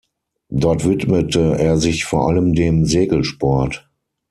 Dort widmete er sich vor allem dem Segelsport.